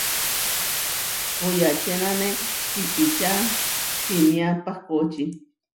Koyačénane sipičá simiá pahkóči.